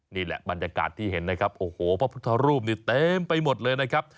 นี่แหละบรรยากาศที่เห็นนะครับโอ้โหพระพุทธรูปนี่เต็มไปหมดเลยนะครับ